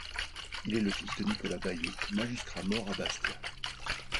Il est le fils de Nicolas Baillot magistrat mort à Bastia.